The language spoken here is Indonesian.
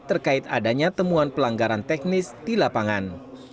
terkait adanya temuan pelanggaran teknis di lapangan